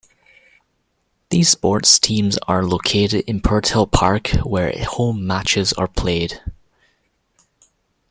These sports teams are located in Purtell Park where home matches are played.